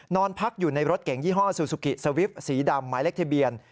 นอนพักอยู่ในรถเก่งยี่ห้อซูซูกิสวิปสีดำหมายเลขทะเบียน